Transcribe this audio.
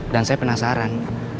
dan saya penasaran